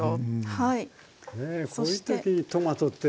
はい。